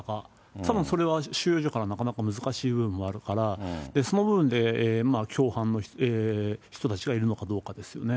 たぶん、それは収容所からなかなか難しい部分もあるから、その部分で、共犯の人たちがいるのかどうかですよね。